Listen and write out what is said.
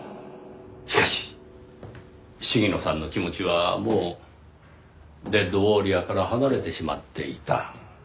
しかし鴫野さんの気持ちはもう『デッドウォーリア』から離れてしまっていた。